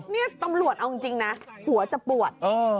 นี่ตำรวจเอาจริงนะหัวจะปวด